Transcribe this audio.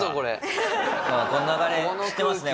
この流れ知ってますね